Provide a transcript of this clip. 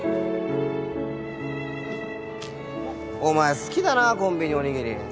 お前好きだなコンビニおにぎり。